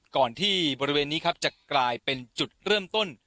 ก่อนที่บริเวณนี้ครับจะกลายเป็นจุดเริ่มต้น